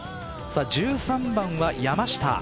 １３番は山下。